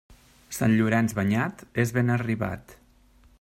Sant Llorenç banyat és ben arribat.